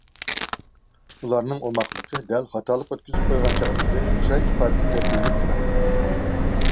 ئۇلارنىڭ ئوماقلىقى دەل خاتالىق ئۆتكۈزۈپ قويغان چاغدىكىدەك چىراي ئىپادىسىدە بىلىنىپ تۇراتتى.